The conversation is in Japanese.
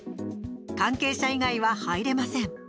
関係者以外は入れません。